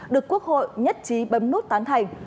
được quốc hội nhất trí bấm nút tán thành